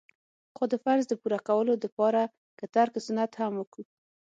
خو د فرض د پوره کولو د پاره که ترک سنت هم وکو.